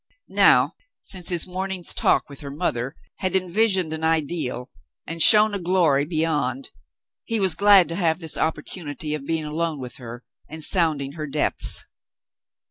Now, since his morning's talk with her An Errand of Mercy 91 mother had envisioned an ideal, and shown a glory beyond, he was glad to have this opportunity of being alone with her and of sounding her depths.